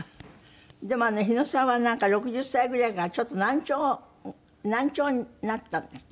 でも日野さんはなんか６０歳ぐらいからちょっと難聴難聴になったんですって？